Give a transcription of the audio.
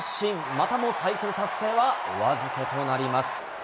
またもサイクル達成はお預けとなります。